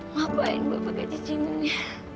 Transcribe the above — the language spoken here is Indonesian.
ngapain gue pakai cincinnya